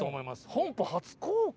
本邦初公開。